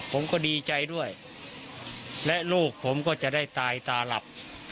ผมก็ดีใจด้วยและลูกผมก็จะได้ตายตาหลับ